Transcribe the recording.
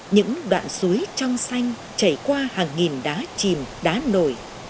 những đoạn suối trong xanh chảy qua hàng nghìn đá chìm đá nổi